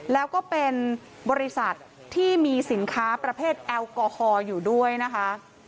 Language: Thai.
แล้วก็เป็นบริษัทที่มีสินค้าประเภทแอลกอฮอล์อยู่ด้วยนะคะ